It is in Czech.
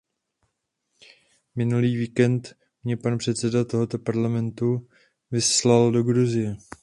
Minulý víkend mě pan předseda tohoto Parlamentu vyslal do Gruzie.